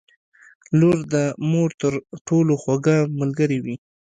• لور د مور تر ټولو خوږه ملګرې وي.